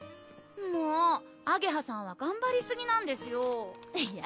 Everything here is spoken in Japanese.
もうあげはさんはがんばりすぎなんですよいや